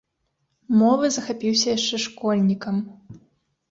Мовай захапіўся яшчэ школьнікам.